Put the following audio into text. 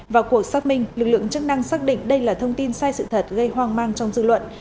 vào cuộc xác minh lực lượng chức năng xác định đây là thông tin sai sự thật gây hoang mang trong dư luận